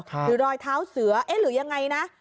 หรือรอยเท้าเสือเอ๊ะหรือยังไงนะ